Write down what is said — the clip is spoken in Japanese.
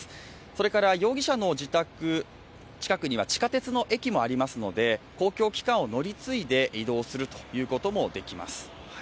それから容疑者の自宅近くには地下鉄の駅もありますので、公共機関を乗り継いで移動するということもできます。